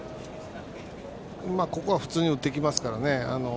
ここは普通に打ってきますからね。